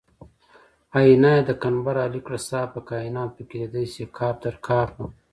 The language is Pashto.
آیینه یې د قنبر علي کړه صافه کاینات پکې لیدی شي کاف تر کافه